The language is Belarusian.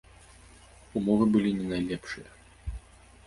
Умовы былі не найлепшыя.